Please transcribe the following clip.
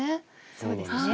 そうですね。